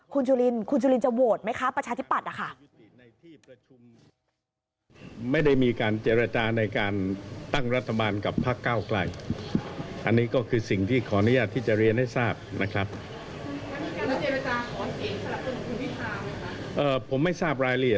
คุณจุลินคุณจุลินจะโหวตไหมคะประชาธิปัตย์นะคะ